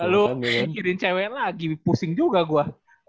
lu mikirin cewek lagi pusing juga gua